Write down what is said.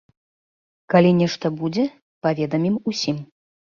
Калі нешта будзе, паведамім усім.